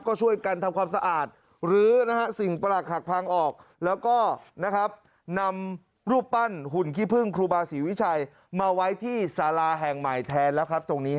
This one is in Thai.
ที่ศรัทธาที่เชื่อถือมากขึ้นไปอีก